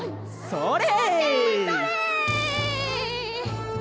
それ！